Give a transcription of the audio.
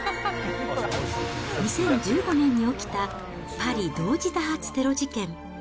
２０１５年に起きたパリ同時多発テロ事件。